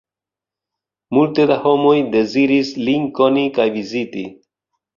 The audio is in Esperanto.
Multe da homoj deziris lin koni kaj viziti.